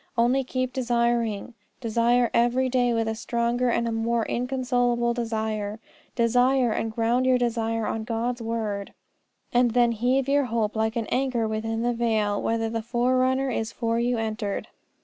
Only, keep desiring. Desire every day with a stronger and a more inconsolable desire. Desire, and ground your desire on God's word, and then heave your hope like an anchor within the veil whither the Forerunner is for you entered.